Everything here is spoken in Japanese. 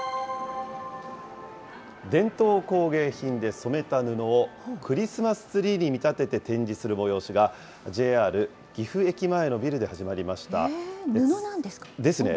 伝統工芸品で染めた布をクリスマスツリーに見立てて展示する催しが、ＪＲ岐阜駅前のビルで始まりました。ですね。